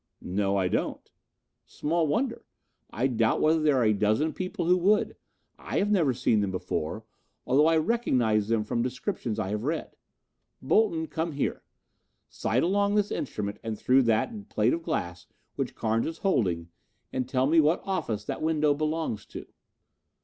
"No, I don't." "Small wonder; I doubt whether there are a dozen people who would. I have never seen them before, although I recognize them from descriptions I have read. Bolton, come here. Sight along this instrument and through that plate of glass which Carnes is holding and tell me what office that window belongs to."